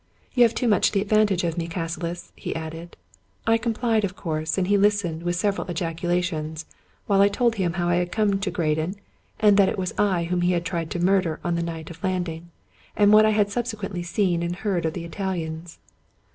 " You have too much the advantage of me, Cassilis," he added. I complied of course; and he listened, with several ejaculations, while I told him how I had come to Graden : that it was I whom he had tried to murder on the night of landing; and what I had subsequently seen and heard of the Italians.